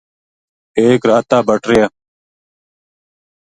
ایک رات تابٹ رہیا